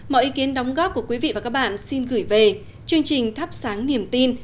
mọi ý kiến đóng góp của quý vị và các bạn xin gửi về chương trình thắp sáng niềm tin